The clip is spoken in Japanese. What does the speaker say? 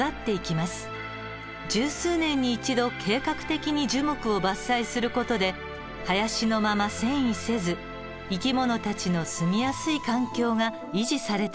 十数年に一度計画的に樹木を伐採する事で林のまま遷移せず生き物たちの住みやすい環境が維持されてきたのです。